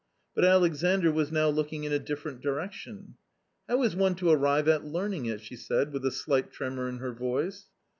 But Alexandr was now looking in a different direction. "How is one to arrive at learning it?" she said with a slight tremor in her voice.